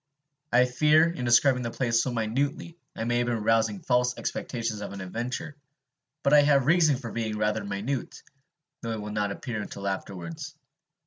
I fear, in describing the place so minutely, I may have been rousing false expectations of an adventure; but I have a reason for being rather minute, though it will not appear until afterwards.